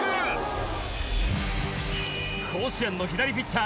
甲子園の左ピッチャー